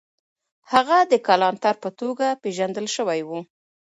هغه د کلانتر په توګه پېژندل سوی و.